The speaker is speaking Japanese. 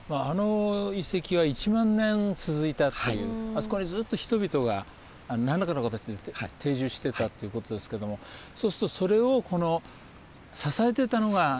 あの遺跡は１万年続いたっていうあそこにずっと人々が何らかの形で定住してたってことですけどもそうするとそれを支えてたのが。